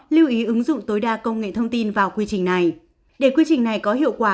lưu ý ứng dụng tối đa công nghệ thông tin vào quy trình này để quy trình này có hiệu quả